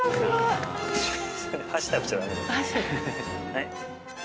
はい。